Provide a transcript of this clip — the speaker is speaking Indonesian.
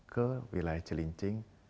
ke wilayah celincing